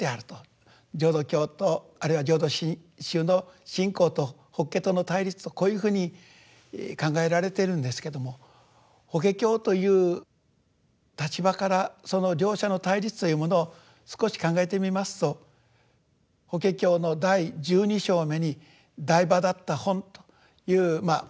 浄土教とあるいは浄土真宗の信仰と法華との対立とこういうふうに考えられてるんですけども法華経という立場からその両者の対立というものを少し考えてみますと法華経の第十二章目に提婆達多品というまあお経があるわけで。